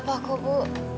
tak apa bu